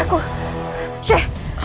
kakek guru paman surakerta